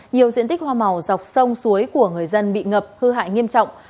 nhiều diện tích hoa màu dọc sông suối của người dân bị ngập hư hại nghiêm trọng